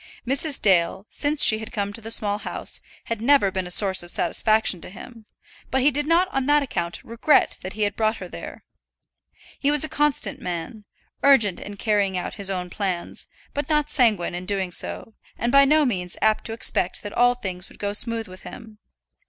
Mrs. Dale, since she had come to the Small House, had never been a source of satisfaction to him, but he did not on that account regret that he had brought her there. He was a constant man; urgent in carrying out his own plans, but not sanguine in doing so, and by no means apt to expect that all things would go smooth with him.